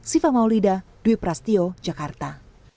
siva maulida dwi prasetyo jakarta